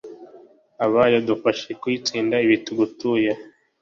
abayo, dufashe kuyitsinda, ibi tugutuye